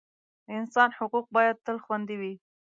د انسان حقوق باید تل خوندي وي.